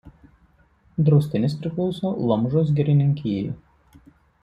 Draustinis priklauso Lomžos girininkijai.